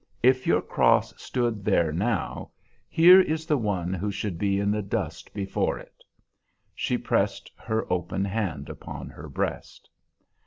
If your cross stood there now, here is the one who should be in the dust before it!" She pressed her open hand upon her breast.